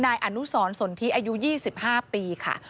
นายอนุสรสนทิอายุ๒๕ปีค่ะ